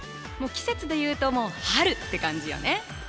季節で言うともう春って感じよね。